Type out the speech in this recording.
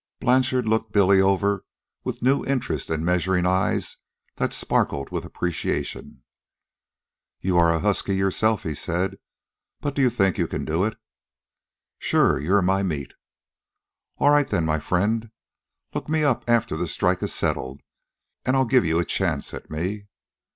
Blanchard looked Billy over with new interest and measuring eyes that sparkled with appreciation. "You are a husky yourself," he said. "But do you think you can do it?" "Sure. You're my meat." "All right, then, my friend. Look me up after the strike is settled, and I'll give you a chance at me."